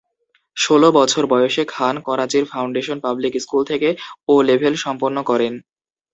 ষোলো বছর বয়সে খান করাচির ফাউন্ডেশন পাবলিক স্কুল থেকে ও লেভেল সম্পন্ন করেন।